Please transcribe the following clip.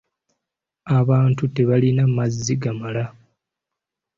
Abantu tebalina mazzi gamala.